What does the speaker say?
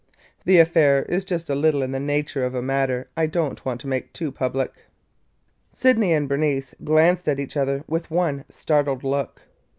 The affair is just a little in the nature of a matter I don't want to make too public." Sydney and Bernice glanced at each other with one startled look.